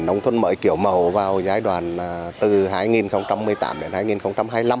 nông thôn mới kiểu mẫu vào giai đoạn từ hai nghìn một mươi tám đến hai nghìn hai mươi năm